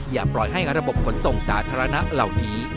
อย่าปล่อยให้ระบบขนส่งสาธารณะเหล่านี้